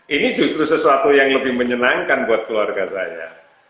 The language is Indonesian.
ini justru sesuatu yang lebih menyenangkan buat keluarga saya